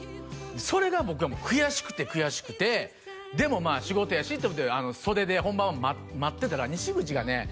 それが僕はもう悔しくて悔しくてでもまあ仕事やしと思って袖で本番を待ってたら西口がね